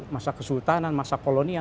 masa kesultanan masa kolonia